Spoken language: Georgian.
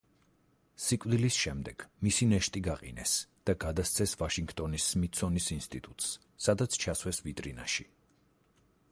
სიკვდილის შემდეგ მისი ნეშტი გაყინეს და გადასცეს ვაშინგტონის სმითსონის ინსტიტუტს, სადაც ჩასვეს ვიტრინაში.